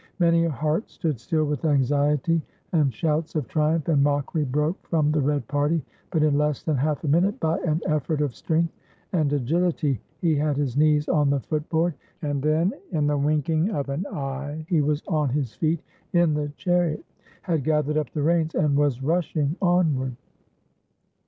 Many a heart stood still with anxiety, and shouts of triumph and mockery broke from the red party ; but in less than half a minute, by an effort of strength and agility, he had his knees on the footboard, and then, in the winking of an eye, he was on his feet in the chariot, had gathered up the reins and was rushing onward.